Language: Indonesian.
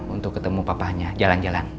untuk ketemu papanya jalan jalan